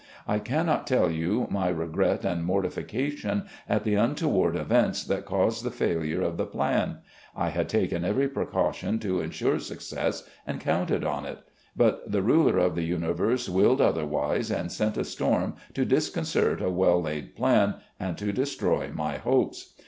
I can not tell you my regret and mortification at the untoward events that caused the failure of the plan. I had taken every precaution to ensure success and covmted on it. But the Ruler of the Universe willed otherwise and sent a storm to disconcert a well laid plan, and to destroy my hopes.